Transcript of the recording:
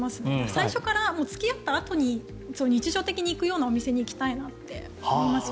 最初から付き合ったあとに日常的に行くようなお店に行きたいと思います。